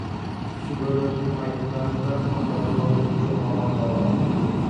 Күбөлөрдүн айтымдарында, жабырлануучу аман калган.